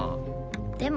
でも。